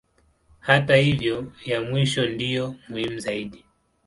Hata hivyo ya mwisho ndiyo muhimu zaidi.